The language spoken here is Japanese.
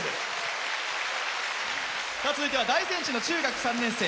続いては大仙市の中学３年生。